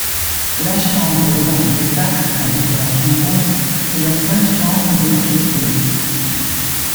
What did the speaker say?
La chambre d'Aurore de Saxe, à décoration rose, est la seule chambre du rez-de-chaussée.